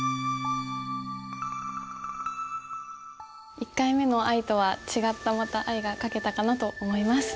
１回目の「愛」とは違ったまた「愛」が書けたかなと思います。